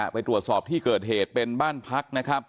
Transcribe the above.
ไปตรวจสอบที่เกิดเหตุเป็นบ้านพักนะครับ